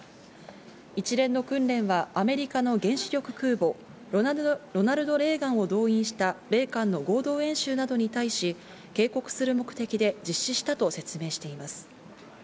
一連の訓練はアメリカの原子力空母、ロナルド・レーガンを動員した米韓の合同演習などに対し、警告する目的で実施したと説明しています。